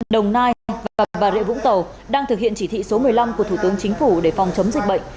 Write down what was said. đồng nai và bà rịa vũng tàu đang thực hiện chỉ thị số một mươi năm của thủ tướng chính phủ để phòng chống dịch bệnh